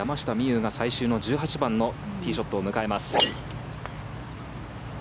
有が最終の１８番のティーショットを迎えます。